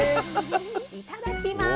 いただきます。